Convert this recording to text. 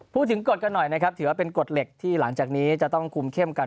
กฎกันหน่อยนะครับถือว่าเป็นกฎเหล็กที่หลังจากนี้จะต้องคุมเข้มกัน